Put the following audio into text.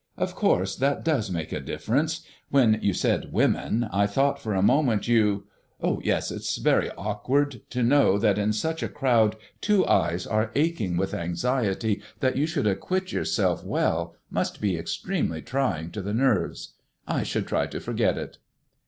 Of course, that does make a difference. When you said 'women,' I thought for a moment you Yes, it's very awkward. To know that in such a crowd two eyes are aching with anxiety that you should acquit yourself well must be extremely trying to the nerves. I should try to forget it."